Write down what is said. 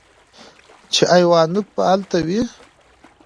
چې ايوانوف به الته وي.